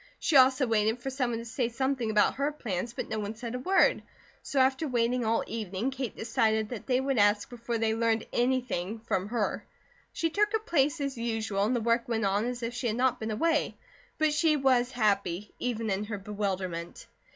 She also waited for someone to say something about her plans, but no one said a word, so after waiting all evening Kate decided that they would ask before they learned anything from her. She took her place as usual, and the work went on as if she had not been away; but she was happy, even in her bewilderment.